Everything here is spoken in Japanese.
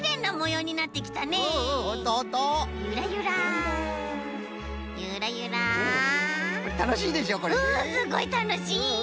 うんすごいたのしい。